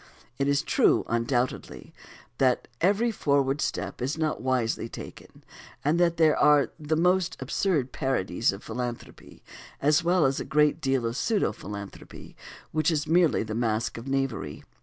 It is true, undoubtedly, that every forward step is not wisely taken, and that there are the most absurd parodies of philanthropy, as well as a great deal of pseudo philanthropy, which is merely the mask of knavery.